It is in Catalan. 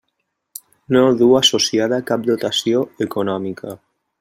No duu associada cap dotació econòmica.